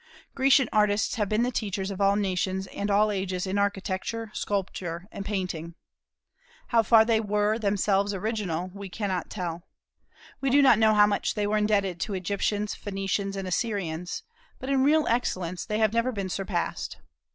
Grecian artists have been the teachers of all nations and all ages in architecture, sculpture, and painting. How far they were themselves original we cannot tell. We do not know how much they were indebted to Egyptians, Phoenicians, and Assyrians, but in real excellence they have never been surpassed.